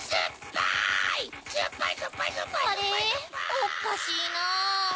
おっかしいな。